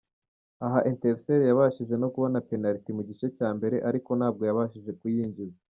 Aha Etincelles yabashije no kubona penariti mu gice cya mbere, ariko ntabwo yabashije kuyinjiza.